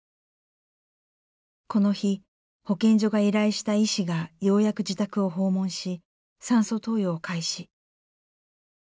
この日保健所が依頼した医師がようやく自宅を訪問し酸素投与を開始。